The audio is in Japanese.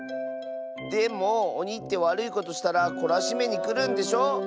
でもおにってわるいことしたらこらしめにくるんでしょ？